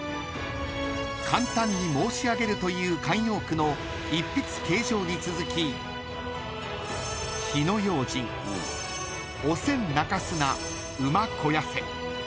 ［「簡単に申し上げる」という慣用句の「一筆啓上」に続き「火の用心お仙泣かすな馬肥せ」］